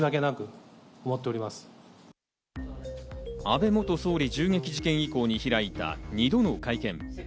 安倍元総理銃撃事件以降に開いた２度の会見。